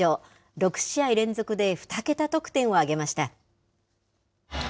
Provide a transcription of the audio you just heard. ６試合連続で２桁得点を挙げました。